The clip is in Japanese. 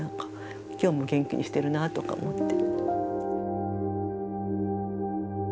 今日も元気にしてるなとか思って。